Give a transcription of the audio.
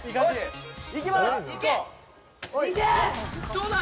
どうだ？